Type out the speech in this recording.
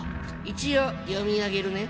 一応読み上げるね。